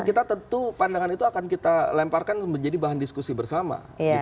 kita tentu pandangan itu akan kita lemparkan menjadi bahan diskusi bersama